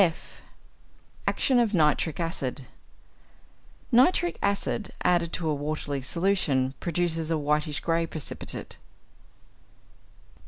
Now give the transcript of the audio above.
(f) =Action of Nitric Acid.= Nitric acid added to a watery solution produces a whitish grey precipitate.